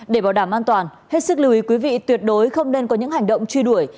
để bảo đảm an toàn hết sức lưu ý quý vị tuyệt đối không nên có những hành động truy đuổi